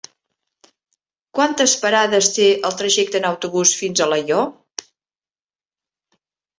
Quantes parades té el trajecte en autobús fins a Alaior?